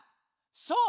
そう！